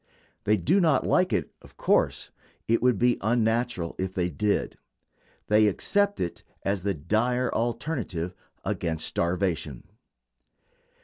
They do not like it, of course; it would be unnatural if they did. They accept it as the dire alternative against starvation.